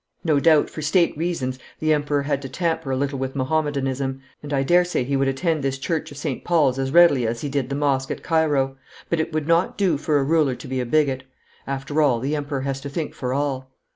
'No doubt for state reasons the Emperor had to tamper a little with Mahomedanism, and I daresay he would attend this Church of St. Paul's as readily as he did the Mosque at Cairo; but it would not do for a ruler to be a bigot. After all, the Emperor has to think for all.'